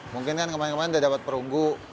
mungkin kan kemarin kemarin dia dapat perunggu